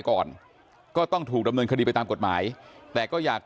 โคศกรรชาวันนี้ได้นำคลิปบอกว่าเป็นคลิปที่ทางตำรวจเอามาแถลงวันนี้นะครับ